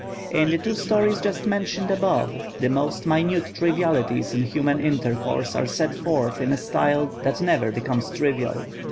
In the two stories just mentioned above, the most minute trivialities in human intercourse are set forth in a style that never becomes trivial.